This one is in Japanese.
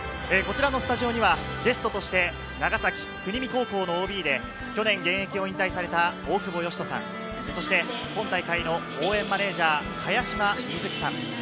こちらのスタジオにはゲストとして長崎国見高校のＯＢで去年、現役を引退された大久保嘉人さん、そして今大会の応援マネージャー・茅島みずきさん。